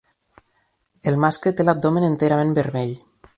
El mascle té l'abdomen enterament vermell.